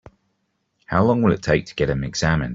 How long will it take to get him examined?